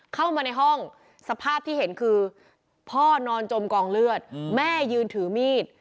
เข้ามาในห้องสภาพที่เห็นคือพ่อนอนจมกองเลือดแม่ยืนถือมีด